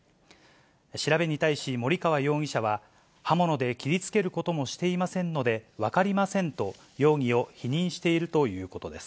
調べに対し、森川容疑者は、刃物で切りつけることもしていませんので分かりませんと容疑を否認しているということです。